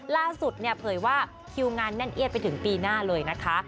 ล่าสุดเนี่ยเผยว่าคิวงานแน่นเอียดไปถึงปีหน้าเลยนะคะ